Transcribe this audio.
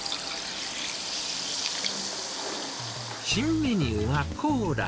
新メニューはコーラ。